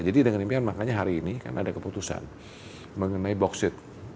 jadi dengan impian makanya hari ini karena ada keputusan mengenai boksit